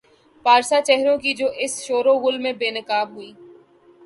پارسا چہروں کی جو اس شوروغل میں بے نقاب ہوئی۔